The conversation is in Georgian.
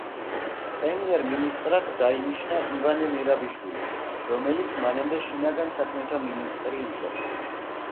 პრემიერ-მინისტრად დაინიშნა ივანე მერაბიშვილი, რომელიც მანამდე შინაგან საქმეთა მინისტრი იყო.